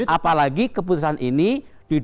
apalagi keputusan ini di dukungan